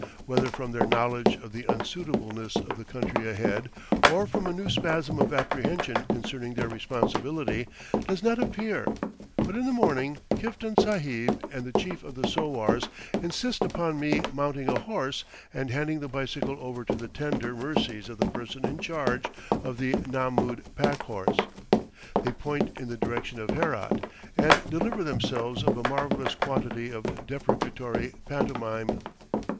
Whether from their knowledge of the unsuitableness of the country ahead, or from a new spasm of apprehension concerning their responsibility, does not appear; but in the morning Kiftan Sahib and the chief of the sowars insist upon me mounting a horse and handing the bicycle over to the tender mercies of the person in charge of the nummud pack horse. They point in the direction of Herat, and deliver themselves of a marvellous quantity of deprecatory pantomime.